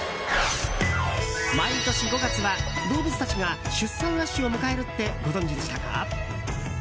毎年５月は動物たちが出産ラッシュを迎えるってご存じでしたか？